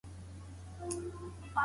علمي سیمینار په چټکۍ نه ارزول کیږي.